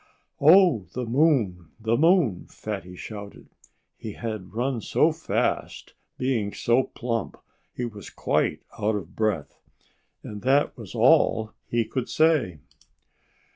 "Oh! the moon! the moon!" Fatty shouted. He had run so fast that, being so plump, he was quite out of breath. And that was all he could say.